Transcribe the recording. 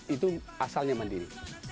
itu asalnya mandiri